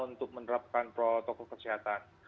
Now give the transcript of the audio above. untuk menerapkan protokol kesehatan